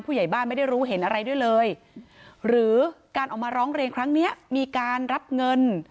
ผู้ใหญ่บ้านไม่ได้รู้เห็นอะไรด้วยเลยหรือการออกมาร้องเรียนครั้งเนี้ยมีการรับเงิน